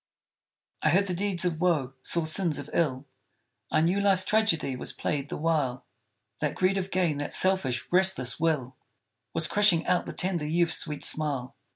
I heard the deeds of woe saw sins of ill; I knew Life's tragedy was played the while; That greed of gain that selfish, restless will Was crushing out the tender youth's sweet smile.